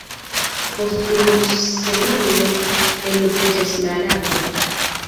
Post unu semajno eloviĝas la larvoj.